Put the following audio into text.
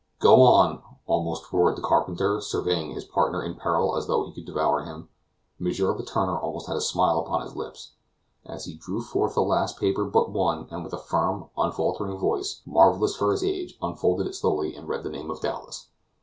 "Go on!" almost roared the carpenter, surveying his partner in peril as though he could devour him. M. Letourneur almost had a smile upon his lips, as he drew forth the last paper but one, and with a firm, unfaltering voice, marvelous for his age, unfolded it slowly, and read the name of Dowlas.